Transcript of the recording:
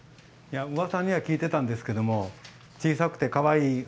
うわさには聞いていたんですけれども小さくてかわいい。